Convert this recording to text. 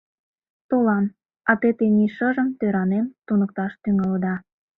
Толам... а те тений шыжым тӧранем туныкташ тӱҥалыда!